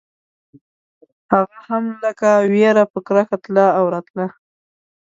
هغه هم لکه وېره په کرکه تله او راتله.